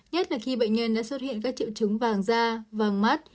nhất là khi bệnh nhân đã xuất hiện các triệu chứng vàng da vàng mát